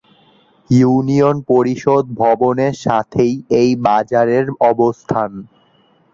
Union পরিষদ ভবনের সাথেই এই বাজারের অবস্থান।